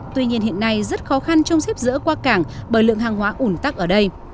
tuy nhiên hiện nay rất khó khăn trong xếp dỡ qua cảng bởi lượng hàng hóa ủn tắc ở đây